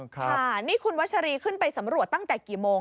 ค่ะนี่คุณวัชรีขึ้นไปสำรวจตั้งแต่กี่โมง